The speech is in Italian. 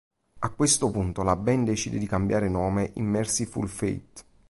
A questo punto, la band decide di cambiare nome in "Mercyful Fate".